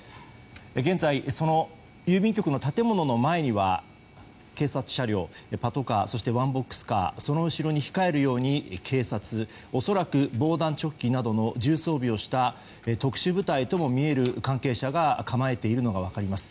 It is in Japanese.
現在、その郵便局の建物の前には警察車両パトカーそしてワンボックスカーその後ろに控えるように警察恐らく防弾チョッキなどの重装備をした特殊部隊とも見える関係者が構えているのが分かります。